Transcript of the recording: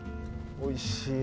おいしいよ。